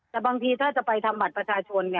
แต่บางทีถ้าจะไปทำบัตรประชาชนไง